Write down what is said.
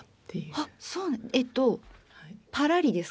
あそうえっとパラリですか？